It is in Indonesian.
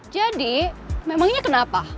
jadi memangnya kenapa